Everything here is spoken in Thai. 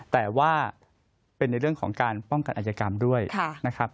แต่ว่าเป็นในเรื่องของการป้องกันอาจกรรมด้วยนะครับ